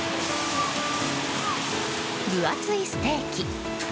分厚いステーキ。